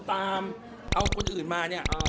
ตามเอาคนอื่นมาเนี่ย